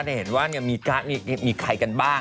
ได้เห็นว่ามีใครกันบ้าง